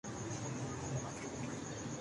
آپ کون